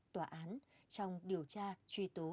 tòa án trong điều tra truy tố